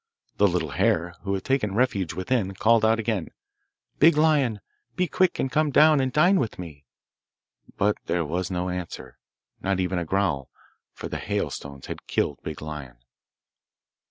The little hare, who had taken refuge within, called out again, 'Big Lion, be quick and come down and dine with me.' But there was no answer, not even a growl, for the hailstones had killed Big Lion.